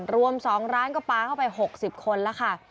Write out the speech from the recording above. รวม๒ร้านก็ปลาเข้าไป๖๐คนแล้วค่ะ